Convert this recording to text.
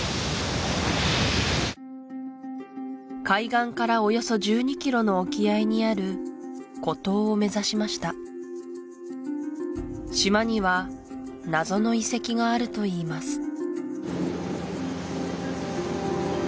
海岸からおよそ１２キロの沖合にある孤島を目指しました島にはナゾの遺跡があるといいます